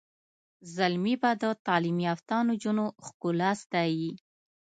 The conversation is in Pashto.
زلمي به د تعلیم یافته نجونو ښکلا ستایي.